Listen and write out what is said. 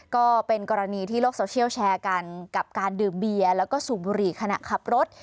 ก็เป็นกรณีที่โลกโซเชียลแชร์กันกับการดื่มเบียร์แล้วก็สูบบุหรี่ขณะขับรถ